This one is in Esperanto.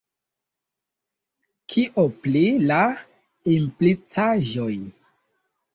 Kio pri la implicaĵoj?